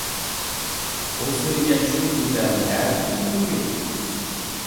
ئۇ سۆيگەن شۇ گۈزەل نەدىكىن بۈگۈن؟ !